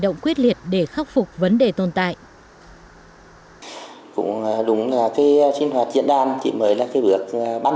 động đặc biệt để khắc phục vấn đề tồn tại cũng đúng là cái sinh hoạt diễn đàn chỉ mới là cái bước bắt